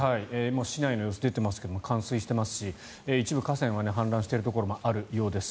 市内の様子が出ていますが冠水していますし一部、河川は氾濫しているところがあるようです。